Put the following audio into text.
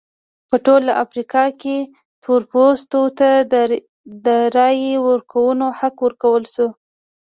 په ټوله افریقا کې تور پوستو ته د رایې ورکونې حق ورکړل شو.